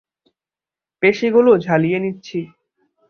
পেশিগুলো ঝালিয়ে নিচ্ছি।